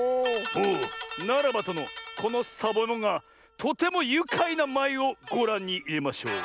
おおならばとのこのサボえもんがとてもゆかいなまいをごらんにいれましょう。